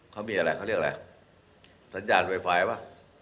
เขามีอะไรเขาเรียกอะไรสัญญาณไวไฟป่ะ